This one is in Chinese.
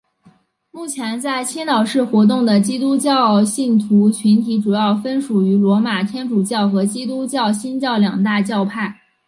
目前在青岛市活动的基督教信徒群体主要分属于罗马天主教和基督教新教两大教派。